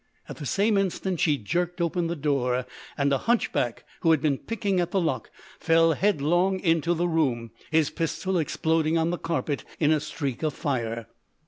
At the same instant she jerked open the door; and a hunchback who had been picking at the lock fell headlong into the room, his pistol exploding on the carpet in a streak of fire.